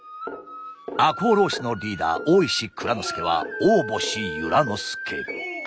赤穂浪士のリーダー大石内蔵助は大星由良之助。